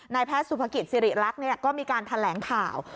แพทย์สุภกิจสิริรักษ์ก็มีการแถลงข่าว